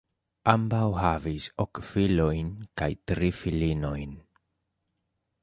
Ambaŭ havis ok filojn kaj tri filinojn.